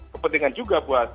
kepentingan juga buat